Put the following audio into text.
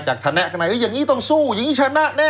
จากธแนะธนายอย่างนี้ต้องสู้อย่างนี้ชนะแน่